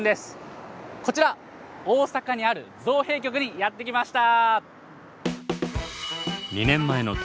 こちら大阪にある造幣局にやって来ました。